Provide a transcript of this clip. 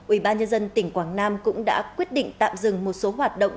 ủy ban nhân dân tỉnh quảng nam cũng đã quyết định tạm dừng một số hoạt động